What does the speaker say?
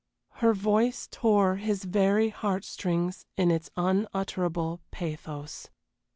Her voice tore his very heartstrings in its unutterable pathos.